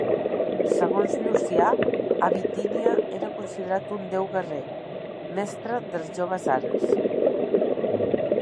Segons Llucià a Bitínia era considerat un déu guerrer, mestre del jove Ares.